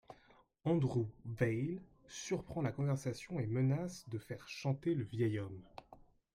Andrew Vail surprend la conversation et menace de faire chanter le vieil homme.